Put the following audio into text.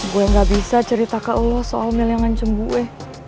gue gak bisa cerita ke lo soal milengan cembue